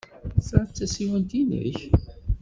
Ta d tasiwant-nnek?